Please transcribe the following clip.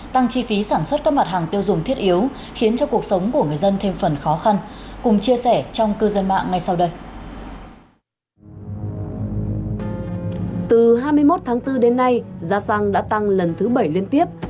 từ hai mươi một tháng bốn đến nay giá xăng đã tăng lần thứ bảy liên tiếp